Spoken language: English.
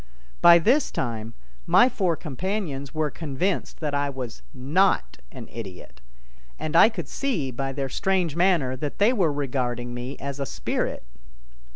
By this time my four companions were convinced that I was not an idiot, and I could see by their strange manner that they were regarding me as a spirit.